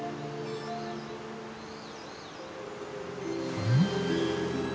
うん？